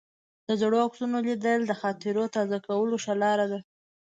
د زړو عکسونو لیدل د خاطرو تازه کولو ښه لار ده.